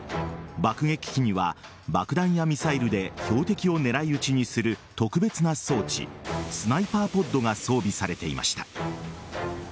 爆撃機には爆弾やミサイルで標的を狙い撃ちにする特別な装置スナイパーポッドが装備されていました。